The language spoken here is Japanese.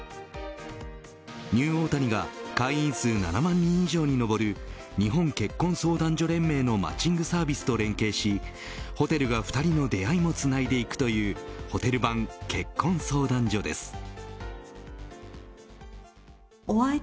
ニューオータニが会員数７万人以上に上る日本結婚相談所連盟のマッチングサービスと連携しホテルが２人の出会いをつないでいくというホテル版、結婚相談所です。